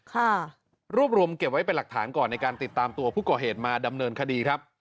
ค่ะรวบรวมเก็บไว้เป็นหลักฐานก่อนในการติดตามตัวผู้ก่อเหตุมาดำเนินคดีครับ